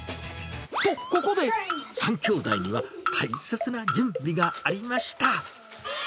と、ここで、３きょうだいには大切な準備がありました。